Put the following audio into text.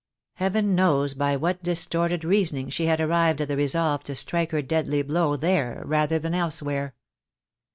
Heaven knows by what distorted reasoning she had arrived at the resolve to strike her deadly blow there rather than elsewhere.